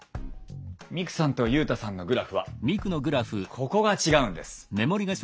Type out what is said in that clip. ミクさんとユウタさんのグラフはここが違うんです。